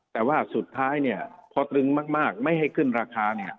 แต่ว่าสุดท้ายเนี่ยพอตึงมากไม่ให้ขึ้นราคา